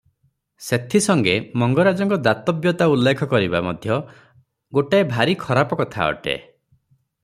ସେଥି ସଙ୍ଗେ ମଙ୍ଗରାଜଙ୍କ ଦାତବ୍ୟତା ଉଲ୍ଲେଖ କରିବା ମଧ୍ୟ ଗୋଟିଏ ଭାରି ଖରାପ କଥା ଅଟେ ।